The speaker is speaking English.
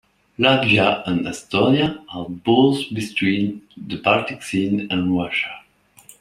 Latvia and Estonia are both between the Baltic Sea and Russia.